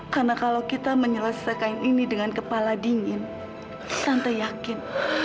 karena kalau kita menyelesaikan ini dengan kepala dingin tante yakin